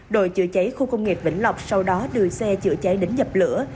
đội chữa cháy khu công nghiệp vĩnh lọc sau đó đưa xe chữa cháy đến dập lửa